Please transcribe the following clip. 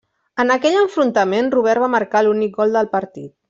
En aquell enfrontament Robert va marcar l'únic gol del partit.